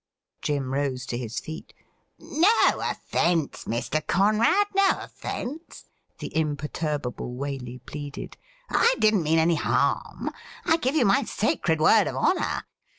Jim rose to his feet. ' No offence, Mr. Conrad — no offence,' the imperturbable Waley pleaded. ' I didn't mean any harm. I give you my sacred word of honour.